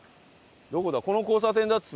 どこだ？